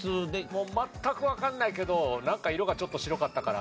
もう全くわかんないけどなんか色がちょっと白かったから。